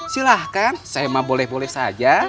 silahkan saya emang boleh boleh saja